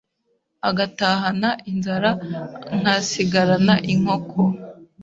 agatahana inzara nkasigarana inkoko